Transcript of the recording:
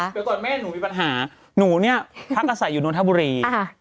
เดี๋ยวก่อนแม่หนูมีปัญหาหนูเนี่ยพักอาศัยอยู่นนทบุรี